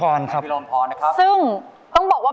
ช่วยฝังดินหรือกว่า